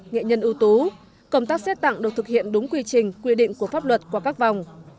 nghệ nhân ưu tú công tác xét tặng được thực hiện đúng quy trình quy định của pháp luật qua các vòng